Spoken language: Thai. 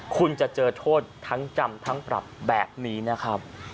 คุณจะเจอโทษทั้งจำทั้งปรับแบบนี้นะครับ